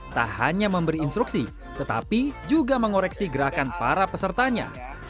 tak hanya memberi instruksi tetapi juga mengoreksi gerakan para pesertanya